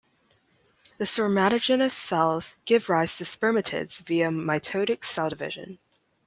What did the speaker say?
The spermatogenous cells give rise to spermatids via mitotic cell division.